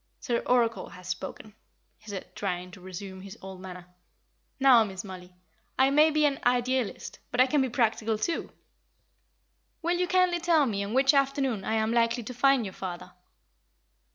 "Sir Oracle has spoken," he said, trying to resume his old manner. "Now, Miss Mollie, I may be an Idealist, but I can be practical, too. Will you kindly tell me on which afternoon I am likely to find your father."